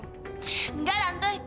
enggak lah ente